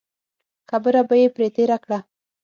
خبره به یې پرې تېره کړه.